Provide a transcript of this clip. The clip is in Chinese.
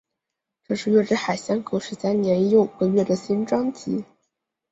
这是月之海相隔十三年又五个月的新专辑。